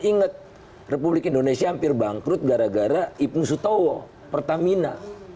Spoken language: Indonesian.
ingat republik indonesia hampir bangkrut gara gara ibnu sutowo pertamina